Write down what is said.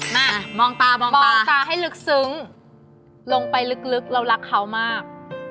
มามองตามองตาให้ลึกซึ้งลงไปลึกเรารักเขามาก